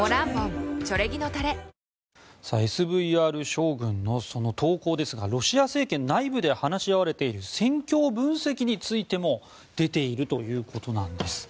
ＳＶＲ将軍の投稿ですがロシア政権内部で話し合われている戦況分析についても出ているということなんです。